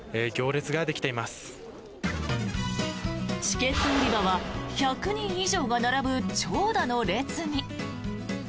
チケット売り場は１００人以上が並ぶ長蛇の列に。